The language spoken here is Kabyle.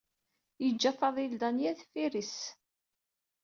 Yeǧǧa Faḍil Danya deffir-is.